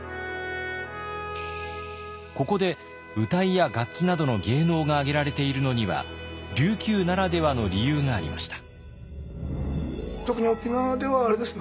ここで謡や楽器などの芸能が挙げられているのには琉球ならではの理由がありました。